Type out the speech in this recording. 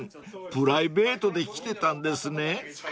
プライベートで来てたんですね］